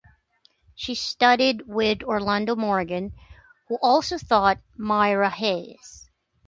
She studied with Orlando Morgan, who also taught Myra Hess.